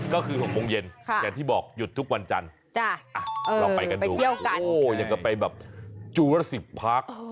ก็คือ๖โมงเย็นอย่างที่บอกหยุดทุกวันจันทร์ลองไปกันดูอย่างกับไปแบบจูละ๑๐พัก